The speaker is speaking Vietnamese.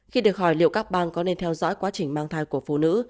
khi được hỏi liệu các bang có nên theo dõi quá trình mang thai của phụ nữ